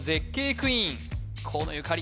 クイーン河野ゆかり